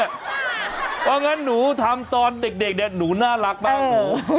เพราะงั้นหนูทำตอนเด็กเนี่ยหนูน่ารักบ้าง